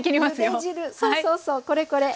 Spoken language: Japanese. そうそうそうこれこれ！